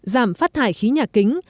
giảm phát thải khí nhà kính